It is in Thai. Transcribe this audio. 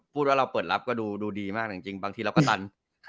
พูดว่าเราเปิดรับก็ดูดีมากจริงบางทีเราก็ตัน